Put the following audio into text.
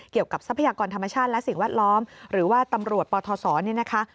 ทรัพยากรธรรมชาติและสิ่งแวดล้อมหรือว่าตำรวจปทศเนี่ยนะคะ